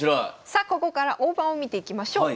さあここから大盤を見ていきましょう。